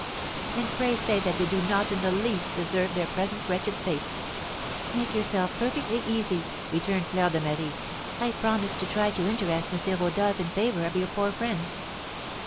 "And pray say that they do not in the least deserve their present wretched fate." "Make yourself perfectly easy," returned Fleur de Marie; "I promise to try to interest M. Rodolph in favour of your poor friends."